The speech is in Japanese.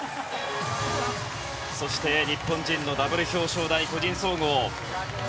そして、日本人のダブル表彰台個人総合